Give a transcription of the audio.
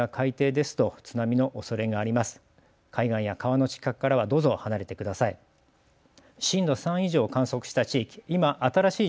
海岸や川の近くからはどうぞ離れてください。